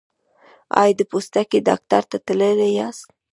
ایا د پوستکي ډاکټر ته تللي یاست؟